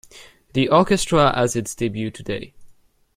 The orchestra has its debut today.